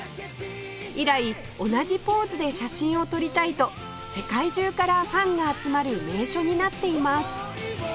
以来同じポーズで写真を撮りたいと世界中からファンが集まる名所になっています